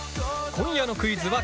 今夜のクイズはこちら。